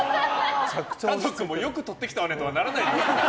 家族も、よくとってきたわねとはならないですよ。